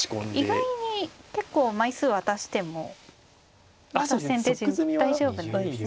意外に結構枚数渡してもまだ先手陣大丈夫なんですね。